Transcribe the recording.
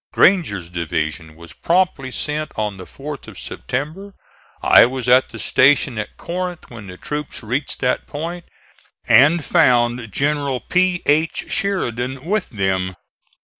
Granger's division was promptly sent on the 4th of September. I was at the station at Corinth when the troops reached that point, and found General P. H. Sheridan with them.